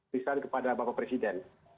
misalnya kepada bapak presiden